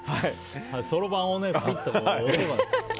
そろばんをね、ピッと。